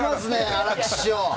荒木師匠。